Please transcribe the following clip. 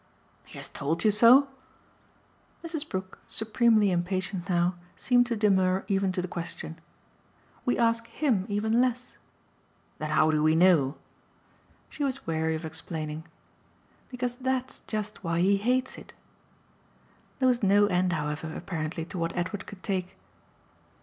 "He has told you so?" Mrs. Brook, supremely impatient now, seemed to demur even to the question. "We ask HIM even less." "Then how do we know?" She was weary of explaining. "Because that's just why he hates it." There was no end however, apparently, to what Edward could take.